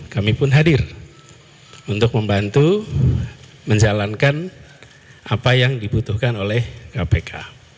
kami pun hadir untuk membantu menjalankan apa yang dibutuhkan oleh kpk